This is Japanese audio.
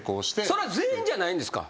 それは全員じゃないんですか？